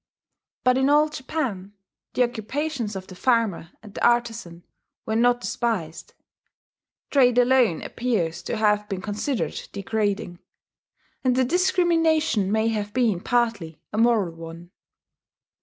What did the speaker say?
But in Old Japan the occupations of the farmer and the artizan were not despised: trade alone appears to have been considered degrading, and the discrimination may have been partly a moral one.